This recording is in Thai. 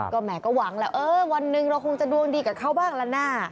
ก็แหมก็หวังแล้วเออวันหนึ่งเราคงจะดวงดีกับเขาบ้างละนะ